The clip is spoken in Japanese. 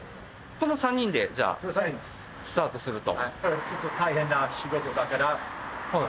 この３人でスタートすると。